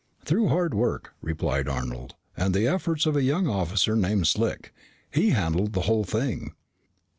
"Through hard work," replied Arnold, "and the efforts of a young officer named Slick. He handled the whole thing."